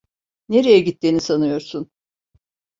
Nereye gittiğini sanıyorsun?